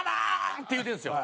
って言うてるんですよ